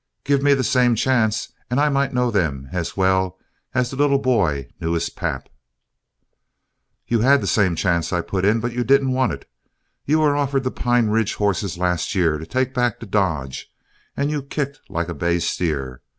Give me the same chance, and I might know them as well as the little boy knew his pap." "You had the same chance," I put in, "but didn't want it. You were offered the Pine Ridge horses last year to take back to Dodge, and you kicked like a bay steer.